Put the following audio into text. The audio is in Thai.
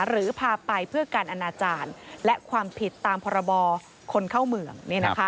หรือพาไปเพื่อการอนาจารย์และความผิดตามพรบคนเข้าเมือง